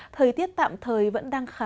thời tiết tạm thời vẫn đang khá